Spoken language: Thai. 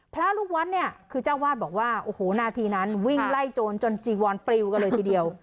พระลูกวัดเนี่ยคือเจ้าวาดบอกว่าโอ้โหนาทีนั้นวิ่งไล่โจรจนจีวอนปลิวกันเลยทีเดียว